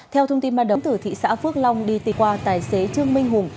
theo thông tin ban đầu thị xã phước long đi tìm qua tài xế trương minh hùng